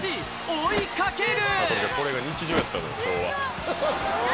追いかける